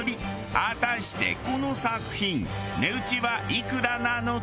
果たしてこの作品値打ちはいくらなのか？